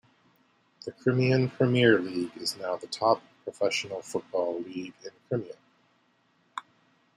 The Crimean Premier League is now the top professional football league in Crimea.